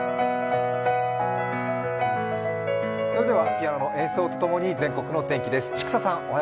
ピアノの演奏とともに全国の天気です。